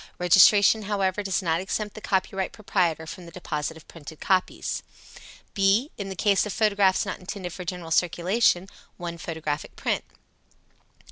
Registration, however, does not exempt the copyright proprietor from the deposit of printed copies. (b) In the case of photographs not intended for general circulation, one photographic print.